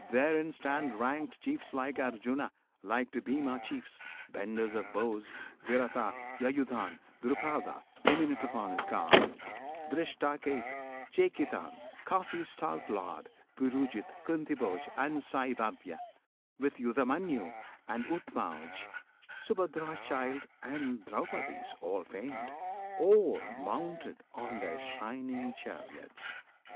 Therein stand ranked Chiefs like Arjuna, like to Bhima chiefs, Benders of bows; Virata, Yuyudhan, Drupada, eminent upon his car, Dhrishtaket, Chekitan, Kasi's stout lord, Purujit, Kuntibhoj, and Saivya, With Yudhamanyu, and Uttamauj Subhadra's child; and Drupadi's; all famed! All mounted on their shining chariots!